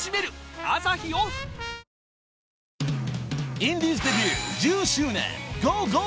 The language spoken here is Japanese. ［インディーズデビュー１０周年ｇｏ！